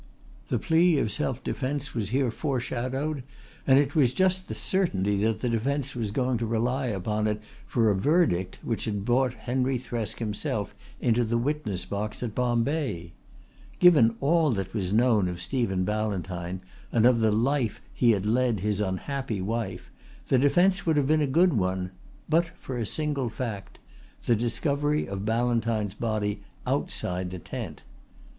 The plea of self defence was here foreshadowed and it was just the certainty that the defence was going to rely upon it for a verdict which had brought Henry Thresk himself into the witness box at Bombay. Given all that was known of Stephen Ballantyne and of the life he had led his unhappy wife, the defence would have been a good one, but for a single fact the discovery of Ballantyne's body outside the tent.